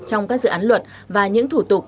trong các dự án luật và những thủ tục